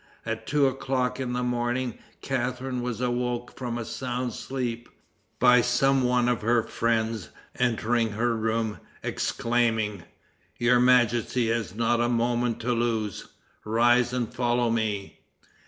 At two o'clock in the morning Catharine was awoke from a sound sleep, by some one of her friends entering her room, exclaiming, "Your majesty has not a moment to lose. Rise and follow me!"